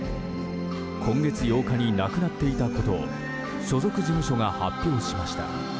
今月８日に亡くなっていたことを所属事務所が発表しました。